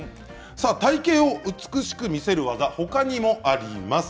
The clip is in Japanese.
体形を美しく見せる技ほかにもあります。